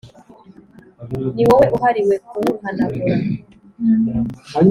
Ni wowe uhariwe kuwuhanagura